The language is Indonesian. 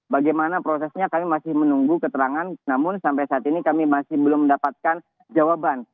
bagaimana prosesnya kami masih menunggu keterangan namun sampai saat ini kami masih belum mendapatkan jawaban